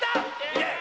いけ！